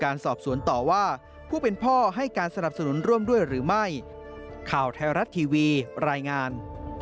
ข่าวแท้รัฐทีวีรายงาน